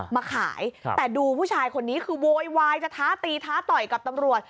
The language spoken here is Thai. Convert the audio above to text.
มาขายแต่ดูผู้ชายคนนี้คือโวยวายจะท้าตีท้าต่อยกับตำรวจ